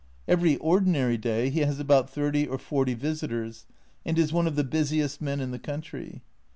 Every ordinary day he has about thirty or forty visitors, and is one of the busiest men in the country.